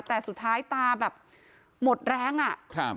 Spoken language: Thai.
แต่สุดท้ายตาแบบหมดแรงอ่ะครับ